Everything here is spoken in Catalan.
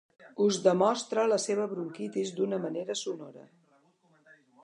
Us demostra la seva bronquitis d'una manera sonora.